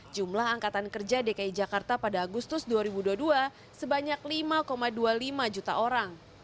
jumlah angkatan kerja dki jakarta pada agustus dua ribu dua puluh dua sebanyak lima dua puluh lima juta orang